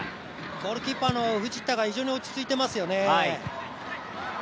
ゴールキーパーの藤田が非常に落ち着いていますよね。